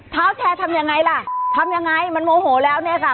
เท้าแชร์ทำยังไงล่ะทำยังไงมันโมโหแล้วเนี่ยค่ะ